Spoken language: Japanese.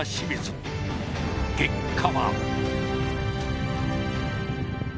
結果は。